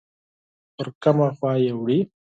پر کومه خوا یې وړي؟